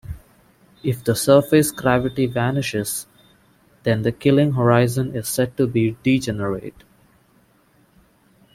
If the surface gravity vanishes, then the Killing horizon is said to be degenerate.